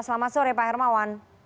selamat sore pak hermawan